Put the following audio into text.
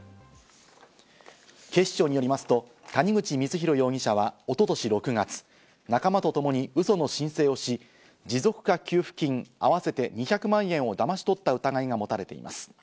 警視庁によりますと谷口光弘容疑者は一昨年６月、仲間とともにウソの申請をし、持続化給付金、合わせて２００万円をだまし取った疑いが持たれています。